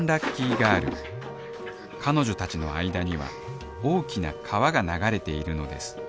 ガール彼女たちの間には大きな川が流れているのです。